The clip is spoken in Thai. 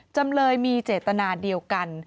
จำเลยมีเจตนาเดียวกัน